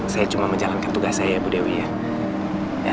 saya cuma menjalankan tugas saya ibu dewi ya